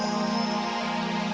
kita ke rumah